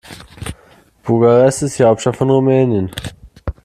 Bukarest ist die Hauptstadt von Rumänien.